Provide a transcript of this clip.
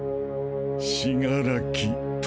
死柄木弔。